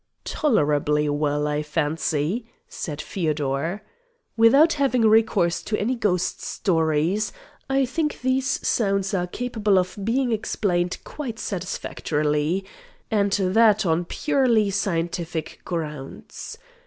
"Tolerably well, I fancy," said Feodor. "Without having recourse to any ghost stories, I think these sounds are capable of being explained quite satisfactorily and that on purely scientific grounds.